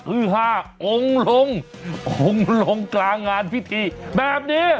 คือค่ะองค์ลงกลางานพิธีแบบนี้